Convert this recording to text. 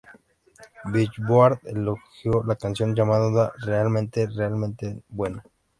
Billboard elogió la canción, llamándola "realmente, realmente buena".